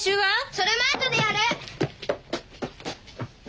それもあとでやる！